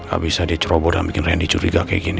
abis saya diceroboh dan bikin randy curiga kayak gini